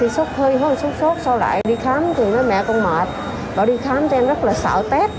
sốt sau lại đi khám thì mẹ con mệt bảo đi khám cho em rất là sợ test